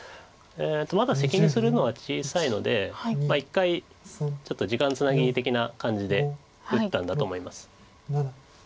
まだセキにするのは小さいので一回ちょっと時間つなぎ的な感じで打ったんだと思います。